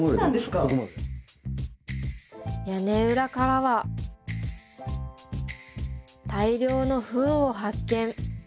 屋根裏からは大量のフンを発見。